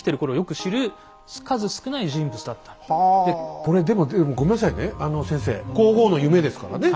これでもごめんなさいねあの先生皇后の夢ですからね？